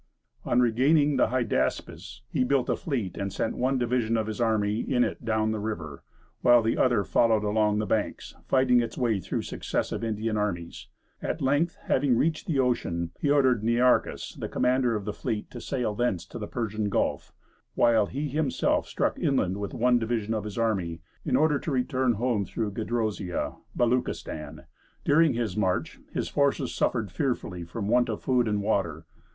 On regaining the Hydaspes, he built a fleet, and sent one division of his army in it down the river, while the other followed along the banks, fighting its way through successive Indian armies. At length, having reached the ocean, he ordered Nearchus, the commander of the fleet, to sail thence to the Persian Gulf, while he himself struck inland with one division of his army, in order to return home through Gedrosia (Beluchistan). During this march his forces suffered fearfully from want of food and water.